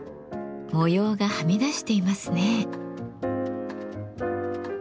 模様がはみ出していますね。